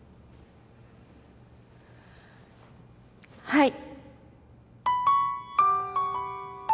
はい